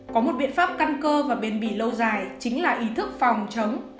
có một biện pháp căn cơ và bền bỉ lâu dài chính là ý thức phòng chống